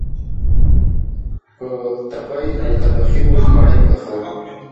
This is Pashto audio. پر تبۍ او تبخي موږ مړۍ پخوو